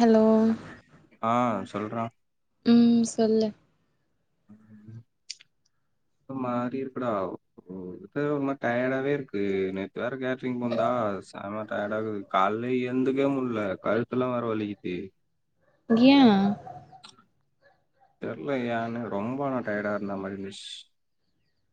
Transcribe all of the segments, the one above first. Hello ஆ சொல்றா ம் சொல்லு உஹம் [inaudible] ஒ மாரி இருக்குடா வந்து ஒரு மார் டயடாவே இருக்கு நேத்து வேற கே [unintelligible] செம டயடாகுது கால்ல ஏந்துக்கவே முல்ல கழுத்துல்லா வேற வலிக்கிது ஏ தெர்ல ஏனு ரொம்ப நா டயடா இருந்த மாரி இருந்திச்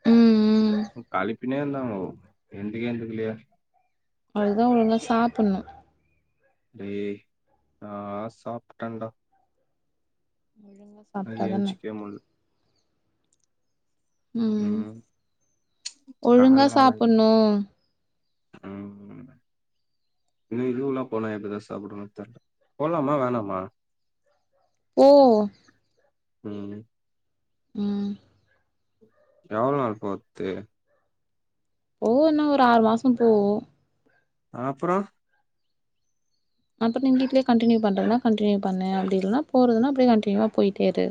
ம் ம் களிப்பின்னே இருந்தாங்கோ எந்திக்கே எந்திக்கெலயே அதுக்குதா ஒழுங்கா சாப்புண்ணு டே நான் சாப்ட்டண்டா ஒழுங்காஸ் அ ஏஞ்சுக்வே முல்ல ம் ஒழுங்கா கால்லா வலி சாப்புண்ணு ம் இதே வெளி ஊர்லா போனா எப்டிதா சாப்புடுவனோ தெர்ல போலாமா வேணாமா ஓ ம் ம் எவள் நாள் போர்த்து போவு என்னா ஒரு ஆறு மாசம் போவு அ அப்புறொ அப்பட் நிங் வீட்லே கன்டினியூ பண்றதுனா கன்டினியூ பண்ணு அப்டி இல்னா போறதுன்னா அப்டே கன்டினியூவா போயிட்டே இரு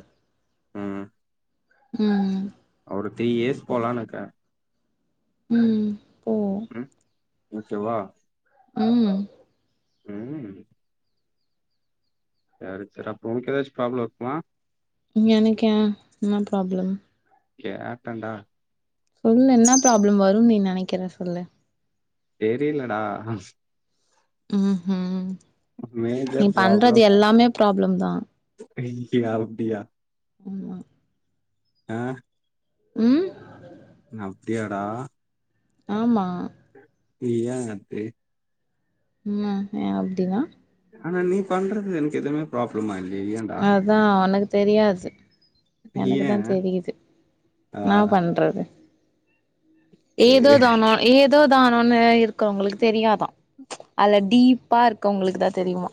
ம் ம் ம் ஒரு த்ரீ இயஸ் போலான்னுக்கே ம் போ ம் ஓகேவா ம் ம் யாரு சிறப்பு உன்க்கு எதாச்சு ப்ராப்ளொ இருக்குமா எனக்கா என்ன ப்ராப்ளம் கேட்டென்டா சொல்லு என்ன ப்ராப்ளம் வருன் நீ நெனக்கிற சொல்லு தெரிலடா ம்ஹும் நீ மேஜர் பண்றது ப்ராப்ளம் எல்லாமே ப்ராப்ளம் தா [unintelligible] அப்டியா ஆமா ஆ ம் நா அப்டியாடா ஆமா நீயா அத்தே ம் ஏ அப்டின்னா ஆனா நீ பண்றது எனக் எதுமே ப்ராப்ளமா இல்லயே ஏ அ அதா உனக்குத் தெரியாது ஏ எனக்குதா தெரியுது ஆ நா பண்றோ இரூ ஏதோ தானோ ஏதோ தானோன்னூ இருக்கவங்களுக்கு தெரியாதா அதுல டீப்பா இருக்கவங்களுக்கு தா தெரியுமா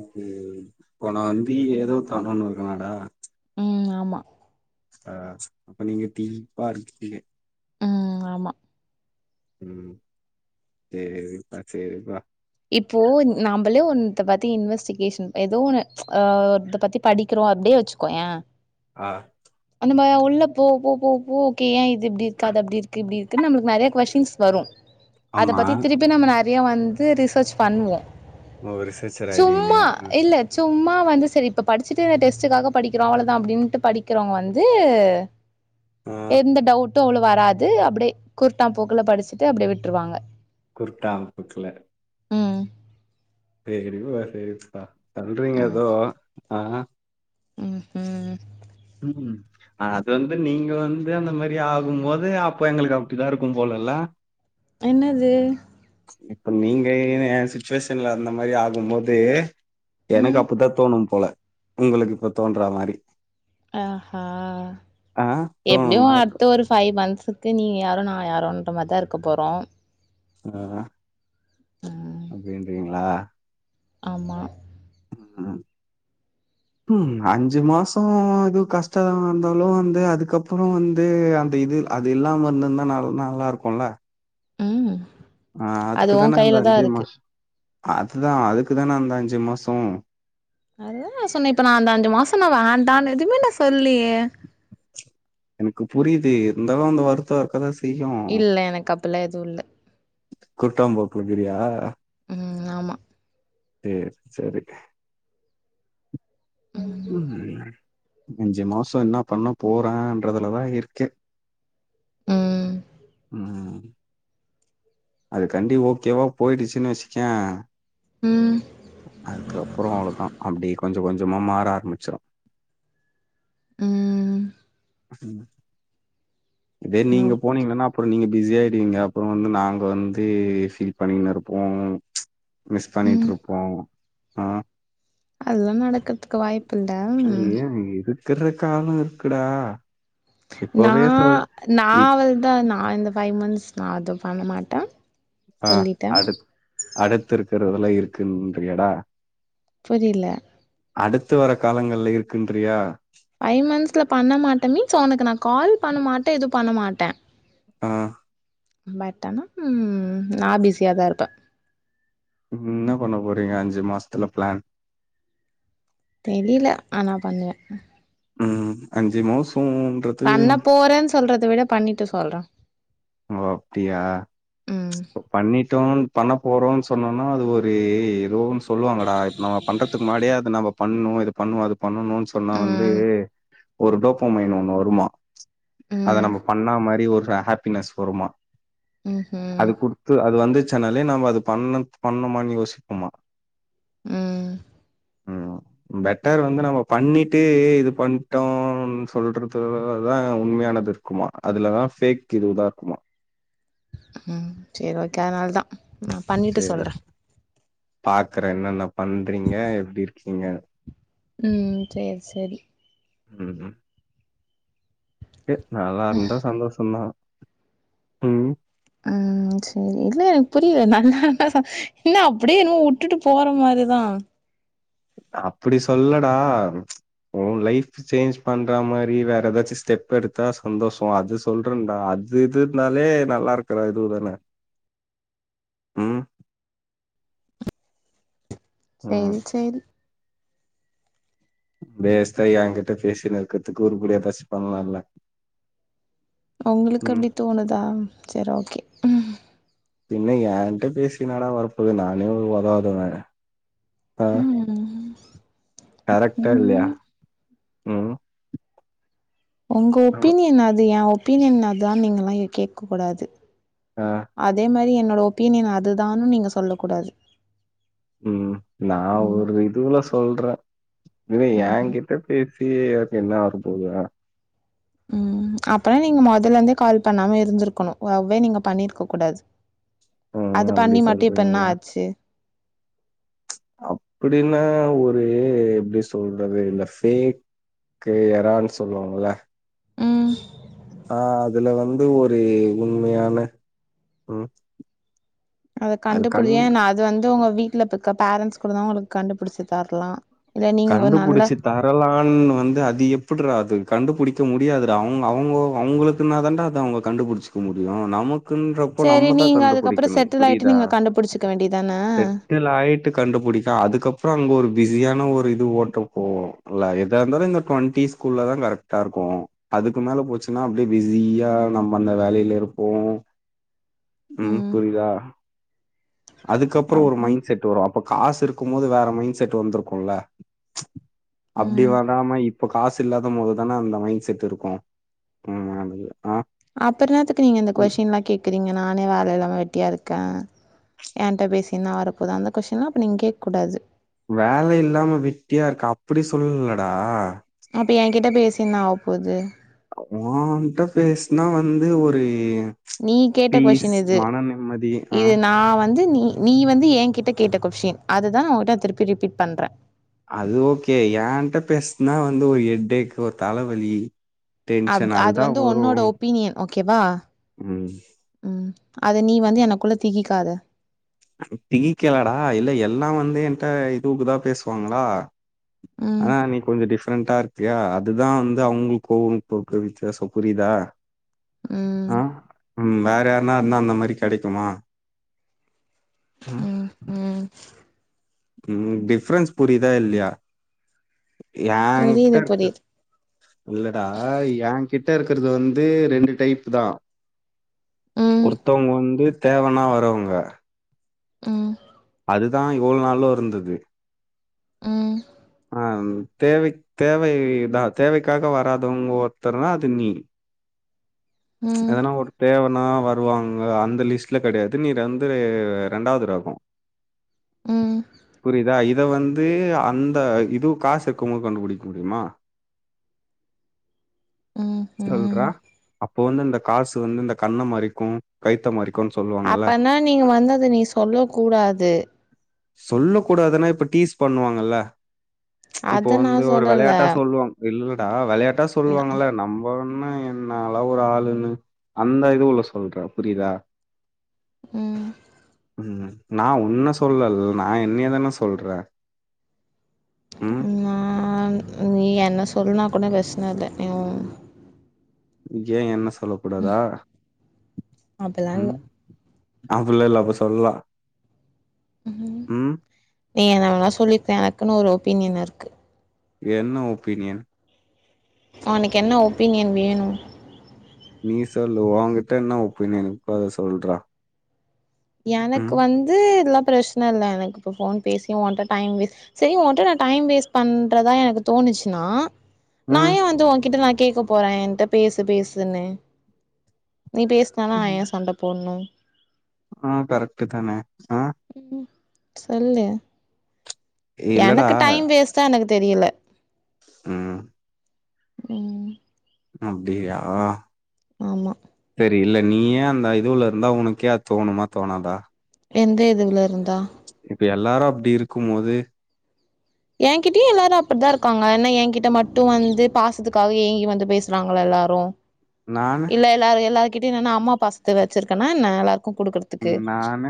இது இப்ப நா வந்து ஏதோ தனோன்னு இருக்கனாடா ம் ஆமா ஆ அப்ப நீங்க டீப்பா இருக்கீங்க ம் ஆமா ம் தெரித்துப்பா செரிப்பா இப்போ நாம்ளே ஒன்ன பத்தி இன்வெஸ்டிகேஷன் ஏதோ ஒன்னு ஆ ஒர்த்தர பத்தி படிக்கிறோ அப்படியே வச்சுக்கோயே ஆ அந்தமே உள்ளப் போவ் போவ் போ போ கே ஏ இது இப்டி இருக்காது அப்டி இருக்கு இப்டிருக் திர்ன் நமபளூக்கு நெறய கொஸின்ஸ் வரூ அத ஆமா பத்தி திருப்பி நம்ம நெறய வந்து ரிசர்ச் பண்ணுவோ ஓ வ ரிசச்சர் ஆய்டுவிங்க சும்மா அ இல்ல சும்மா வந்து செரி இப்ப படுச்சுட்டு இந்த டெஸ்ட்டுக்காக படிக்கிறோ அவ்வளதா அப்டின்ட்டு படிக்கிறவ்ங்க வந்து ஆ, எந்த டவுட்டு அவ்ளவ் வராது அப்புடே குருட்டாம் போக்குல படிச்சுட்டு அப்டே விட்ருவாங்க குருட்டாம்பொக்குல ம் சேரிபா சேரிப்பா பண்றீங்க எதோ அ ஆ ம்ஹும் ம் ம் அது வந்து நீங்க வந்து அந்த மாதிரி ஆகும் போது அப்ப எங்களுக்கு அப்படிதா இருக்கூ போலலில்ல என்னது இப்ப நீங்க ஏ சுச்சுவேஷன்ல அந்த மாதிரி ஆகூ போது எனக்கு ம் அப்பிட்தா தோணூ போல உங்களுக்கு இப்ப தோன்றா மாரி ஆ ஆ ஆ எப்டியூ தோணும்ல அடுத் ஒரு ஃபைவ் மந்த்ஸ்க் த்து நீ யாரோ நா யாரோன்ற மாரி தா இருக்க போறோ சென்னான ம் அப்டின்றீங்களா ஆமா ம் ம் அஞ்சு மாசொ இதூ கஷ்டேமா இருந்தாலூ வந்து அதுக்கப்புறோ வந்து அந்த இதுல்ல அது இல்லாம இருந்திருந்தா நல் நல்லா இருக்கூல்ல ம் ஆ அது ஓ அதுக்குதானே அந்த கையில தா அஞ்சு இருக்கு மாசே அதுதா அதுக்குதானே அந்த அஞ்சு மாசோ அதுதா நா சொன்னே இப்ப நா அந்த அஞ்சு மாசோ நா வேண்டான் எதுவுமே நா சொல்லயே எனக் புரியுது இருந்தாலூ அந்த வருத்தெ இருக்க தா செய் இல்ல எனக்கு அப்பலா எதுவூ இல்ல குருட்டாம் போக்கள கீரயா ம் ஆமா சேர் செரி ம் அஞ்சு மாசொ என்ன பண்ண போறேன்றதுலதா இருக்கெ ம் ம் அது கண்டி ஓக்கேவா போயிடுச்சுன்னு வச்சுக்கேவே ம் அதுக்கப்புறோ அவ்ளதா அப்டியே கொஞ்சொ கொஞ்சமா மாற ஆரம்பிச்சிரூ ம் அத்தின் பேர் இப்டியே ஆ நீங்க போனீங்கன்னா அப்புறோ நீங்க பிஸியாயிடுவீங்க அப்புறம் வந்து நாங்க வந்து ஃபீல் பண்ணின்னு இருப்போ மிஸ் பண்ணிட்டு ம் இருப்போ ஆ அதெல்லா நடக்கறதுக்கு வாய்ப்பு இல்லம்ஹு கிறுக்காவு இருக்குடா நா இப்பவே சொல் நா அவள்தா நா இந்த ஃபைவ் மந்த்ஸ் தா அதுபண்ண மாட்டே அ சொல்லிட்டே அடு அடுத்திருக்கறதெல்லா இருக்குன்றியாடா புரியெல அடுத்து வர காலங்கள்ல இருக்குன்றியா ஃபைவ் மந்த்ஸ்ல பண்ண மாட்ட மீன்ஸ் ஸோ வொனக்கு நா கால் பண்ண மாட்ட எது பண்ண மாட்ட அ பயப்படாம ம் நா பிஸியா தா ர்ப்ப என்ன பண்ண போறீங்க அஞ்சு மாசத்துல பிளான் தெரியல ஆனா பண்ணுவெ ம் அஞ்சு மாசோ பண்ண போறேன்னு சொல்றத விட பண்ணிட்டு சொல்றே ஓ அப்டியா ம் பண்ணிட்டோ பண்ண போறோன் சொன்னோனா அது ஒரு ஏதோன் சொல்லுவாங்கடா இப் நம்ம பண்றதுக்கு முன்னாடியே அது நம்ம பண்ணு இ பண்ணுவ அது பண்ணணுனு சொன்னா வந்து ம் ஒரு டோப்பமைன் ஒண்ணு வருமா அத ம் நம்ம பண்ணா மாரி ஒரு ஹாப்பினஸ் வருமா ம்ஹும் அது குடு அது வந்துச்சுனாலே நம்ம அது பண்ண பண்ணுமானு யோசிப்பமா ம் ம் பெட்டர் வந்து நம்ம பண்ணிட்டு இது பண்ட்டோன் சொல்றதுல தா உண்மையானதுர்க் ஆமா அதுலதான் ஃபேக் இதுதா ருக்குமா ம் சேரி ஓகே அதனால தா நா பண்ணிட்டு சரி சொல்றே பாக்குறே என்னென்ன பண்றீங்க எப்டி இருக்கீங்க னு உம் சேர் சேரி ம்ஹும் எ நல்லாருந்தா சந்தோஷந்தா உம் உம் சேரி இல்ல எனக்கு புரியல நல்லார்ந்தா என்ன அப்டியே என்னமோ வுட்டுட்டு போற மாரிதா நா அப்பிடி சொல்லடா ப்ச் ஓ லைஃப் சேஞ்ச் பண்ற மாறி வேற ஏதாச்சு ஸ்டெப் எடுத்தா சந்தோஷ அத சொல்றேன்டா அது இது இதுனாலே நல்லா ருக்ற இது தான உ ம் சேரி சேரி வேஸ்டா ஏங்கிட்ட பேசினு ருக்கத்துக்கு உருப்படியா ஏதாச்சு பண்லால்ல வொங்ளுக்கு ம் அப்டி தோணுதா செர் ஓகே ம் பின்ன ஏன்ட்ட பேசி என்னடா வரப்போது நானே ஒரு உதவாக்கறதான ஆ ம் கரெக்டா இல்லயா ம் உம் உங்க ஆமா. ஒப்பீனியன் அது எ ஒப்பீனியன் அதான்னு நீங்கல்லா இத கேக்க கூடாது ஆ அதே மாரி என்னோட ஒப்பீனியன் அதுதானு நீங்க சொல்லக்கூடாது உம் நா ம் ஒரு இதுவுல சொல்றே இதுவே ம் ஏங்கிட்ட பேசியே எதாச்சு என்ன வரபோகுதுடா உம் அப்பனா நீங்க மொதல்லந்தே கால் பண்ணாம இருந்துருக்கணு லவ்வே நீங்க பண்ணிருக்க கூடாது ம் அது அப்படி பண்ணி மட்டு இப்பென்ன சொல்றீங்களா? ஆச்சு இப்பிடின்னா ஒரு எப்டி சொல்றது இந்த ஃபேக் க்கே எறான் சொல்லுவாங்கல்ல ம் ஆ அதுல வந்து ஒரே உண்மையான ம் அத அது கண் கண்டுபிடியே நா அது வந்து ஒங்க வீட்ல இப்பக்க பேரன்ட்ஸ் கூடதா ஒங்களுக் கண்டுபிடிச்சி தர்லா கண்டுபுடிச்சிட் தரலான் வந்து அது எப்பிட்றா அது கண்டுபுடிக்க முடியாதுறா அவுங்க அவுங்கோ அவுங்குளுக்குன்னாதான்டா அது அவுங்கக் கண்டுபுடிச்சிக்க முடியு நமக் க்குன்றப்போ சரி நம்மதாக் நீங்க அதுக்கப்புறோ கண்டுபுடிக்கணு செட்டில் ஆயிட்டு புரியுதா நீங்க கண்டுபிடிச்சுக்க வேண்டியதான செட்டில் லைட்டு கண்டுபுடிப்ப அதுக்கப்றோ அங்க ஒரு பிஸியான ஒர் இது ஓட்டப்போவோ இல்ல எதா இந்தாலு இந்த டொண்டிஸ்குள்ளதா கரெக்டாருக்கு அதுக்கு மேல போச்சுன்னா அப்டே பிஸியா நம்ம அந்த வேலைல இருப்போ ம் ம் புரிதா? அதுக்கப்றோ அப் ஒரு மைண்ட் செட் வரு அப்ப காசு இருக்கும்மோது வேற மைண்ட் செட் வந்துருக்குல்ல அப்டி ம் வராம இப்ப காசு இல்லாதமோதுதானே அந்த மைண்ட செட் இருக்கு ம் ஆனது ஆ அப்பறோ என்னாத்துக்கு நீங்க இந்த ம் கொஸ்டின்லாக் கேக்குறீங்க நானே வேல இல்லாம வெட்டியாருக்கே ஏன்ட்ட பேசி என்னா வரப்போது அந்த கொஸினா அப்ப நீங் கேக்கூடாது வேலையில்லாம வெட்டியா இருக்கா அப்டி சொல்லலடா அப்ப எங்கிட்ட பேசி என்ன ஆவுப்போது ஓன்ட்ட பேச்னா வந்து ஒரே நீ கேட்ட கொஸ்டீன் இது ஆ இது நா வந்து நீ நீ வந்து எங்கிட்ட கேட்ட கொஸ்டீன் அதுதா உகிட்டத் திருப்பி ரிப்பீட் பண்றே அது ஓகே ஏன்ட்டப் பேச்னா வந்து ஒரு எட்டேக் ஒருத் தலவலி டென்ஷன் அத் அது அதுதா வந்து வரு ஒன்னோட ஒப்பீனியன் ஓகேவா ம் ம் அது நீ வந்து எனக்குள்ள திகிக்காத திகிக்கிளடா இல்ல எல்லா வந்து என்ட்ட இதுவுகுதாப் பேசுவாங்களா ம் ஆனா நீ கொஞ்சோ டிஃப்ரெண்டா இருக்கியா அதுதா வந்து அவுங்குள்க்கோ [unintelligible] வித்தியாசப் புரியிதா ம் ம் வேற யார்னா இருந்தா அந்த மாரி கெடைக்குமா ம் ம் ம் ம் டிஃப்ரென்ஸ் புரியிதா இல்லியா புரியுது என்ட்டருக்கர் புரியுது இல்லடா ஏங்கிட்ட இருக்கறது வந்து ரெண்டு டைப்புதா ம் ஒருத்தவுங்க வந்து தேவனா வரவுங்க ம் அதுதா இவுள் நாளு இருந்தது ம் அம் தேவைக் தேவைதா தேவைக்காக வராதவுங்க ஒருத்தர்னா அது நீ ம் எதனா ஒரு தேவனா வருவாங்க அந்த லிஸ்ட்ல கெடையாது நீ ரந்து ரே ரெண்டாவுது ரகோ ம் புரிதா இத் இத வந்து அந்த இதுவுக் காசு இருக்கும்போ கண்டுபுடிக்க முடியுமா ம் ம் சொல்றா அப்போ வந்து இந்தக் காசு வந்து இந்த கண்ண மறைக்கு கைத்த மறைக் அப்பனா நீங்க வந்து அத நீ சொல்லக்கூடாது சொல்லக்கூடாதனா இப்ப டீஸ் பண்ணுவாங்கல்ல இப்போ அத வந்து நான் ஒரு சொல்லல வெளையாட்டா சொல்லுவாங் இல்லடா வெளையாட்டா ந சொல்லுவாங்கல்ல நம்மன்னு என்ன அவளா ஒரு ஆளுன்னு அந்த இது உள்ள சொல்றே புரிதா ம் ம் நா உன்ன சொல்லல நா என்னயதான சொல்றே நா நீ என்ன சொல்லுனா கூட பிரச்ன இல்ல ம் ஏ என்ன சொல்ல கூடாதா அப்படிலாம் இல்ல ம் அப்டிலா இல்ல அப்ப சொல்லலா ம்ஹூம் ம் நீ என்னவேணா சொல்லிக்க எனக்குன்னு ஒரு ஒப்பீனியன் இருக்கு என்ன ஒப்பீனியன் உனக்கு என்ன ஒப்பீனியன் வேணு நீ சொல்லு உன்கிட்ட என்ன ஒப்பீனியனுக்கு அத சொல்ற எனக்கு வந்து இதெல்லா பிரச்சன இல்ல எனக்கு இப்ப போன் பேசி ஒண்ட டைம் வேஸ்ட் சேரி உன்கிட்ட நா டைம் வேஸ்ட் பண்றதா எனக்கு தோணுச்சுன்னா நா ம் ஏ வந்து ஒங்கிட்ட நா கேக் போற என்ட பேசு பேசுனு நீ பேசினாலு நா ஏ ம். சண்ட போடணு ஆ கரெக்டு தான ஆ ம் சொல்லு இல்லடா எனக்கு டைம் வேஸ்ட்டா எனக்கு தெரியல ம் ம் அப்டியா ஆமா சேரி இல்ல நீயே அந்த இதுவுலருந்தா உனக்கே அது தோணுமா தோணாதா எந்த இதுவுலருந்தா இப்ப எல்லாரு அப்டிருக்கு போது என்கிட்டயு எல்லாரு அப்டித்தாருக்காங்க ஏன்னா என்கிட்ட மட்டு வந்து பாசத்துக்காக ஏங்கி வந்து பேச ராங்ளா எல்லாரு நானு இல்ல எல்லாரு எல்லாருக்கிட்டயு நா என்ன அம்மா பாசத்துல வச்சிருக்கேனா என்ன நா எல்லாருக்கு குடுக்றதுக்கு நானு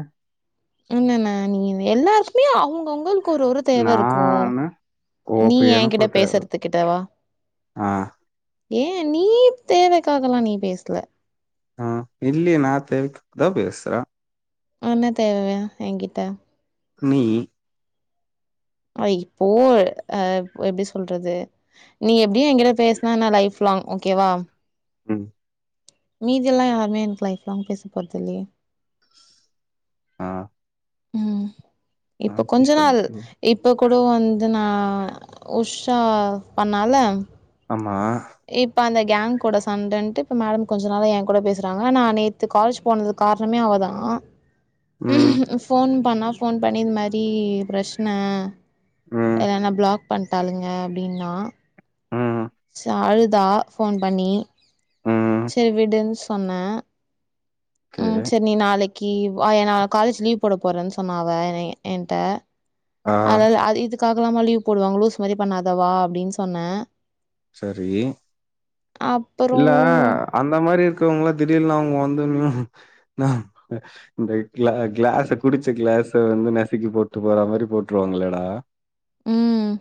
என்னன்னா நீ எல்லாருக்குமே அவுங்கவுங்களுக்கு ஒரு ஒரு தேவருக்கு நானு க்கு நீ ஓப்ப ஏ கிட்ட எனக்கு தெ பேசுறதுக்கிட்டவா ஆ ஏ நீ தேவக்காகலா நீ பேசல ஆ இல்ல நா தேவைக்கு தா பேசுறே என்ன தேவ எங்கிட்ட நீ அ இப்போ அ எப்டி சொல்றது நீ எப்டியு எங்கிட்ட பேசுனா லைஃப் லாங் ஓகேவா ம் மீதி எல்லா யாருமே எனக்கு லைஃப் லாங் பேச போறது இல்லயே ஆ ம் இப்போ ஆச்சி கொஞ்சோ நாள் சொல்ட்டு இப் இப்போ கூட வந்து நா உஷா பண்ணால ஆமா இப்ப அந்த கேங் கூட சண்டன்ட்டு இப்ப மேடம் கொஞ்சோ நாள் என் கூட பேசுறாங்க நா நேத்து காலேஜ்க்கு போனதுக்கு காரணமே அவதா ம் போன் பண்ணா போன் பண்ணி இது மாரி பிரச்ன ம் என்னன்னா பிளாக் பண்ணிட்டாலுங்க அப்டின்னா ம் சரி அழுதா ஃபோன் பண்ணி ம் சரி விடுன்னு சொன்ன ஓகே நீ நாளைக்கு வா நா காலேஜ் லீவ் போட போறேன்னு சொன்னா அவ எ ஏன்ட்ட ஆ அதாது அ இதுக்காகல்லாம லீவ் போடுவாங்க லூஸ் மாதிரி பண்ணாத வா அப்டீன்னு சொன்னே சரி அப்பறோ இல்ல அந்த மாதிரி இருக்கிறவங்கலா திடீர்னு அவுங்க வந்து நின்னா இந்த கிளா கிளாஸ குடிச்ச கிளாஸ வந்து நசுக்கி போட்டு போற மாரி போட்டுருவாங்களடா உம்